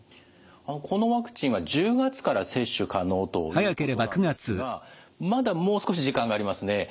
このワクチンは１０月から接種可能ということなんですがまだもう少し時間がありますね。